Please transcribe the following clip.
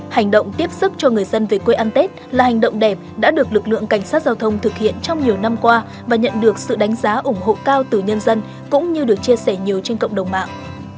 hành động tiếp sức cho người dân về quê ăn tết là hành động đẹp đã được lực lượng cảnh sát giao thông thực hiện trong nhiều năm qua và nhận được sự đánh giá ủng hộ cao từ nhân dân cũng như được chia sẻ nhiều trên cộng đồng mạng